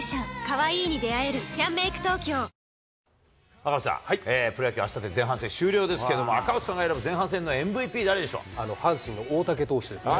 赤星さん、プロ野球、あしたで前半戦終了ですけども、赤星さんが選ぶ、阪神の大竹投手ですね。